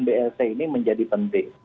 blt ini menjadi penting